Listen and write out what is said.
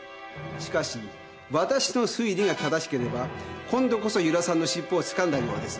しかしわたしの推理が正しければ今度こそ由良さんのしっぽをつかんだようです。